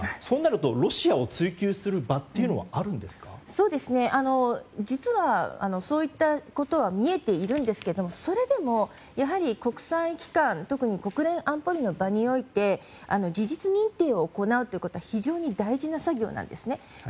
そうなるとロシアを追及する場というのは実はそういったことは見えているんですがそれでもやはり国際機関特に国連安保理の場において事実認定を行うということは非常に大事な作業なんですね。